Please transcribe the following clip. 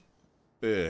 ええ。